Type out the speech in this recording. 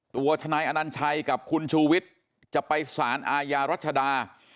ตัวทนายอนัญชัยกับคุณชูวิทย์จะไปสารอาญารัชดา